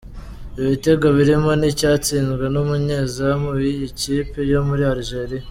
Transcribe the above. Ibitego birimo n’icyatsinzwe n’umunyezamu w’iyi kipe yo muri Algeria.